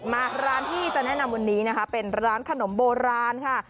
มาร้านที่จะแนะนำวันนี้นะคะเป็นร้านขนมโบราณค่ะ